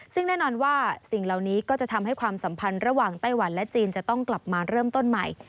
ซึ่งแน่นอนว่าสิ่งเหล่านี้ก็จะทำให้ความสัมพันธ์ระหว่างไต้หวันและจีนจะต้องกลับมาเริ่มต้นใหม่